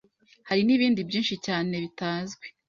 hari n’ibindi byinshi cyane bitazwi